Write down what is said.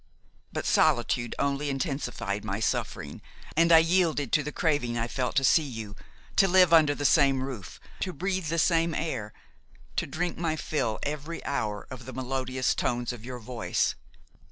But solitude only intensified my suffering and I yielded to the craving I felt to see you, to live under the same roof, to breathe the same air, to drink my fill every hour of the melodious tones of your voice.